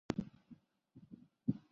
理事会为其最高权力机关。